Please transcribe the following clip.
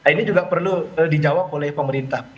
ini juga perlu dijawab oleh pemerintah